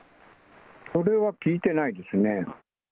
それは聞いてないですね。